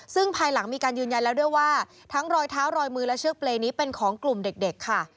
ซึ่งภายหลังมีการยืนยันแล้วด้วยว่าทั้งรอยเท้ารอยมือและเชือกเปรย์นี้เป็นของกลุ่มเด็กค่ะ